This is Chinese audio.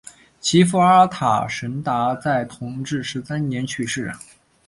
其父阿尔塔什达在同治十三年去世。